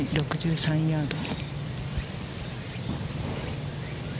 ６３ヤード。